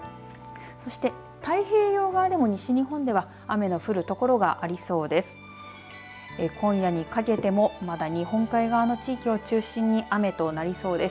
そして、太平洋側でも西日本では雨の降る所がありそうです。